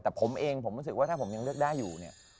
แต่ผมเองผมรู้สึกว่าถ้าผมยังเลือกได้อยู่เนี่ย